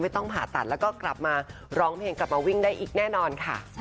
ต้องผ่าตัดแล้วก็กลับมาร้องเพลงกลับมาวิ่งได้อีกแน่นอนค่ะ